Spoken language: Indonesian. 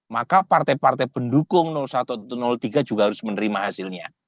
maka partai partai pendukung satu atau tiga juga harus menerima hasilnya